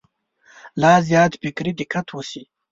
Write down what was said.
لا زیات فکري دقت وشي.